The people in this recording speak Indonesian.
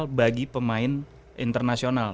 menjaga mental bagi pemain internasional